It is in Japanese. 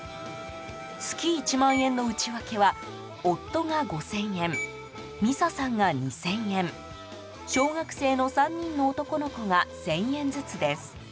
月１万円の内訳は夫が５０００円未紗さんが２０００円小学生の３人の男の子が１０００円ずつです。